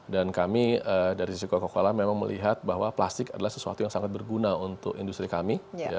dan kami dari sisi coca cola memang melihat bahwa plastik adalah sesuatu yang sangat berguna untuk industri kami